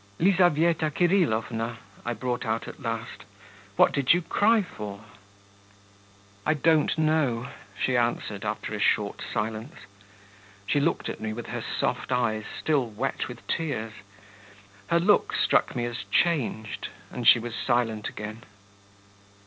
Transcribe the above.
'Lizaveta Kirillovna,' I brought out at last, 'what did you cry for?' 'I don't know,' she answered, after a short silence. She looked at me with her soft eyes still wet with tears her look struck me as changed, and she was silent again.